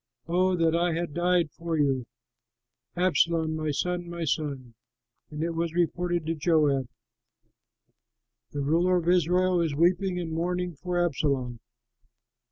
Oh that I had died for you, Absalom, my son, my son!" And it was reported to Joab, "The ruler of Israel is weeping and mourning for Absalom."